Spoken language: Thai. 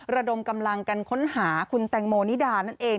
ระดมกำลังกันค้นหาคุณแตงโมนิดานั่นเอง